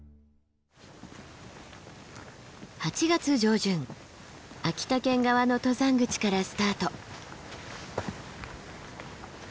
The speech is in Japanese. ８月上旬秋田県側の登山口からスタート。